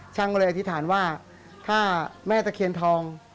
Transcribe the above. ช่างก็เลยอธิษฐานว่าถ้าแม่ตะเคียนทอง